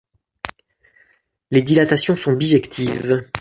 Les dilatations sont bijectives.